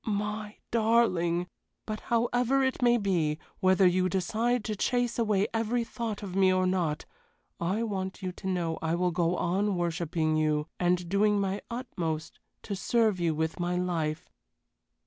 My darling! But however it may be, whether you decide to chase away every thought of me or not, I want you to know I will go on worshipping you, and doing my utmost to serve you with my life.